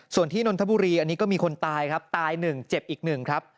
ส่วนที่นนทบุรีอันนี้ก็มีคนตายครับตาย๑เจ็บอีกหนึ่งครับ